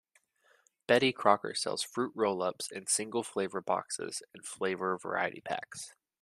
Betty Crocker sells Fruit Roll-Ups in single-flavor boxes and flavor variety packs.